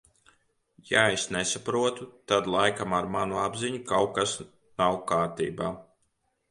Ja es nesaprotu, tad laikam ar manu apziņu kaut kas nav kārtībā.